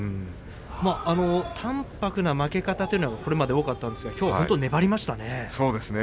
淡泊な負け方というのはこれまでもあったんですがきょうは本当に粘りましたね。